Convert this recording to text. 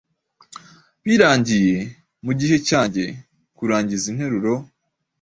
birangiye, mugihe cyanjye, kurangiza interuro